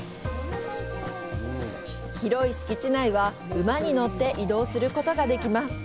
広い敷地内は馬に乗って移動することができます。